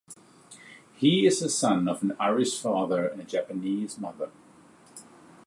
He is the son of an Irish father and a Japanese mother.